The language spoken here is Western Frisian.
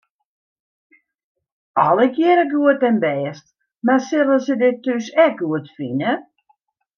Allegearre goed en bêst, mar sille se dit thús ek goed fine?